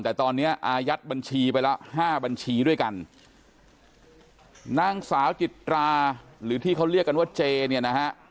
แต่ตอนนี้อายัดบัญชีไปแล้วห้าบัญชีด้วยกันนางสาวจิตราหรือที่เขาเรียกกันว่าเจเนี่ยนะฮะ